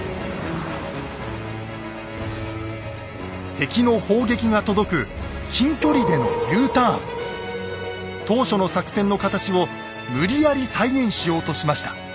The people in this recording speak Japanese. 敵の砲撃が届く当初の作戦の形を無理やり再現しようとしました。